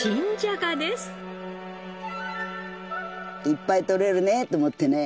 いっぱいとれるねと思ってね。